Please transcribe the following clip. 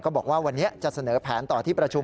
บอกว่าวันนี้จะเสนอแผนต่อที่ประชุม